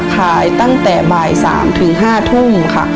ขายตั้งแต่บ่าย๓ถึง๕ทุ่มค่ะ